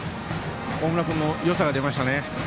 大村君のよさが出ましたね。